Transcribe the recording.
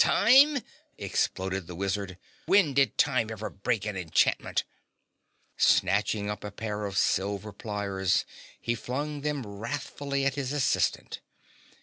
TIME!" exploded the wizard. "When did time ever break an enchantment?" Snatching up a pair of silver pliers he flung them wrathfully at his assistant.